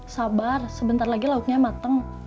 sabar sebentar lagi lauknya mateng